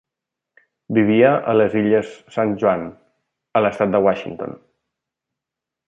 Vivia a les illes San Juan a l'estat de Washington.